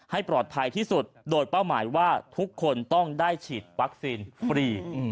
ให้ปลอดภัยที่สุดโดยเป้าหมายว่าทุกคนต้องได้ฉีดวัคซีนฟรี